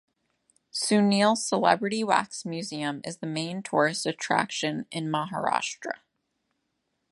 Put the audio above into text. Sunil's Celebrity Wax Museum is the main tourist attraction in Maharashtra.